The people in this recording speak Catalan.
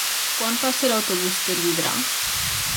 Quan passa l'autobús per Vidrà?